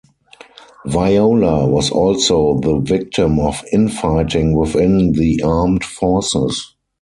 Viola was also the victim of infighting within the armed forces.